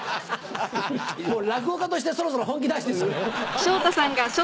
もう落語家としてそろそろ本気出して。